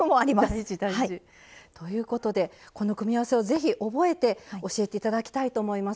大事大事！ということでこの組み合わせを是非覚えて教えて頂きたいと思います。